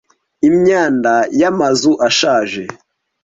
imyanda y'amazu ashaje